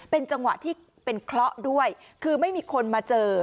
เป็นจังหวะที่เป็นเคราะห์ด้วยคือไม่มีคนมาเจอ